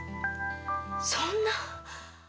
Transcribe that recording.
そんな。